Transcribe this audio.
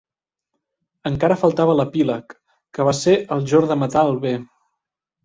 Encara faltava l'epíleg, que va ser el jorn de matar el bé.